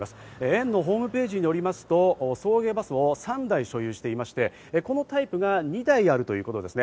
園のホームページによりますと送迎バスも３台所有していまして、このタイプが２台あるということです。